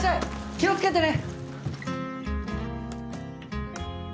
気を付けてね。